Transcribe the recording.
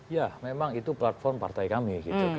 ya memang itu platform partai kami